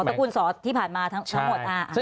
ระกูลสอที่ผ่านมาทั้งหมด